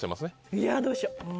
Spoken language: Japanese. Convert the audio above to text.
いやどうしよう。